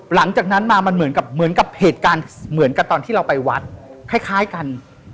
หลังจากนั้นมามันเหมือนกับเหมือนกับเหตุการณ์เหมือนกับตอนที่เราไปวัดคล้ายกัน